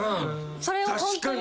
それをホントに。